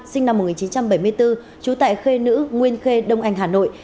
sinh năm một nghìn chín trăm bảy mươi bốn trú tại khê nữ nguyên khê đông anh hà nội